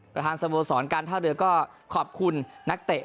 สโมสรการท่าเรือก็ขอบคุณนักเตะ